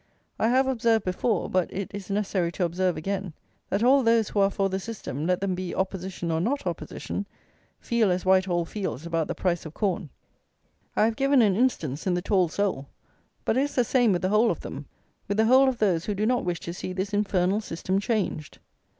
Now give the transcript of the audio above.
I have observed before, but it is necessary to observe again, that all those who are for the System, let them be Opposition or not Opposition, feel as Whitehall feels about the price of corn. I have given an instance, in the "tall soul;" but it is the same with the whole of them, with the whole of those who do not wish to see this infernal System changed.